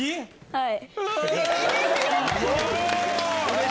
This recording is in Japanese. はい。